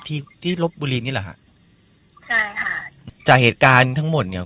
ที่ที่ลบบุรีนี่แหละฮะใช่ค่ะจากเหตุการณ์ทั้งหมดเนี้ย